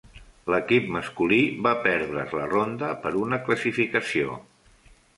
L'equip masculí va perdre's la ronda per una classificació.